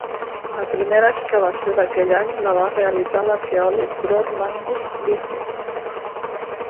La primera excavació d'aquell any la va realitzar l'arqueòleg Bror Magnus Vifot.